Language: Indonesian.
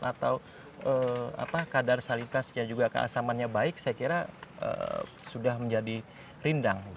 atau kadar salitasnya juga keasamannya baik saya kira sudah menjadi rindang